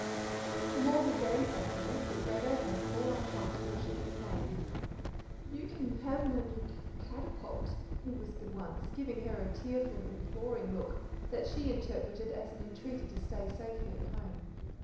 The more he gazed at her the redder and more uncomfortable she became. "You can have my new c c catapult," he whispered once, giving her a tearful, imploring look, that she interpreted as an entreaty to stay safely at home.